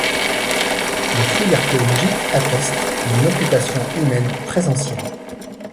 Les fouilles archéologiques attestent d'une occupation humaine très ancienne.